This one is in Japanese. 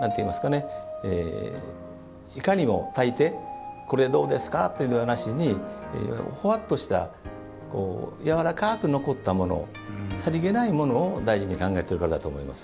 いかにも、たいてこれどうですか？というのではなしにほわっとしたやわらかく残ったものさりげないものを大事に考えてると思います。